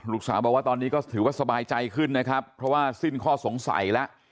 ลูกสาวบอกว่าตอนนี้ก็ถือว่าสบายใจขึ้นนะครับเพราะว่าสิ้นข้อสงสัยแล้ว